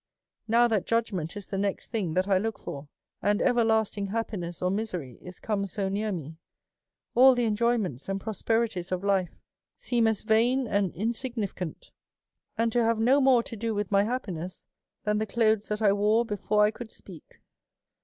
" Now that judgment is the next thing that I look for, and everlasting happiness or misery is come so near me, all the enjoyments and prosperities of life seem as vain and insignificant, and to have no more to do with my happiness than the clothes that I wore be fore I could speak.